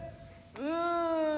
「うん」。